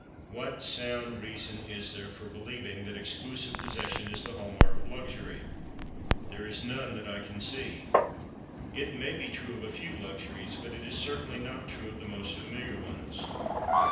What sound reason is there for believing that exclusive possession is the hall mark of luxury? There is none that I can see. It may be true of a few luxuries, but it is certainly not true of the most familiar ones.